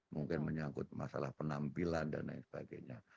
mungkin menyangkut masalah penampilan dan lain sebagainya